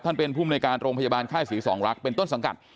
ท่านเป็นผู้บริการโรงพยาบาลค่ายศรีสองรักษ์เป็นต้นสังกัด